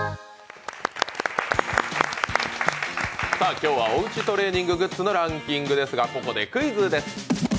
今日はおうちトレーニンググッズのランキングですがここでクイズです。